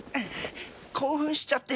興奮しちゃって。